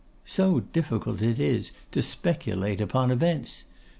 So difficult is it to speculate upon events!